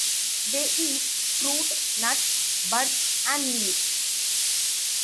They eat fruit, nuts, buds and leaves.